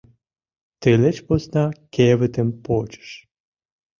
Тылеч посна кевытым почеш.